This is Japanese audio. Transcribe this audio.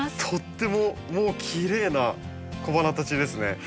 とってももうきれいな小花たちですね。